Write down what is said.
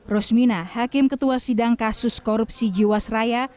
rosmina hakim ketua sidang kasus korupsi jiwasraya